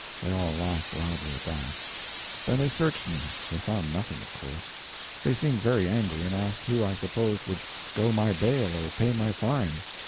They all laughed loudly at that. Then they searched me. They found nothing, of course. They seemed very angry and asked who I supposed would "go my bail or pay my fine."